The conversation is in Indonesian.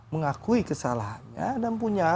mengakui kesalahannya dan punya